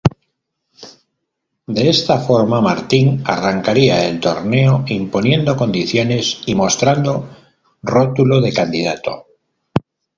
De esta forma, Martin arrancaría el torneo imponiendo condiciones y mostrando rótulo de candidato.